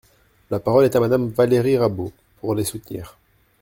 La parole est à Madame Valérie Rabault, pour les soutenir.